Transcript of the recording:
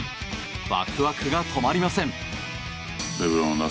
ワクワクが止まりません。